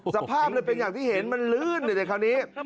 สภาพเลยเป็นอย่างที่เห็นมันลื่นแต่คราวนี้